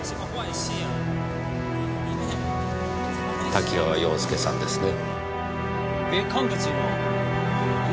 多岐川洋介さんですね？